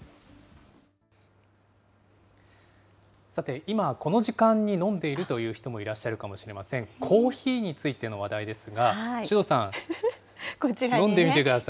さて、今、この時間に飲んでいるという人もいらっしゃるかもしれません、コーヒーについての話題ですが、首藤さん、飲んでみてください。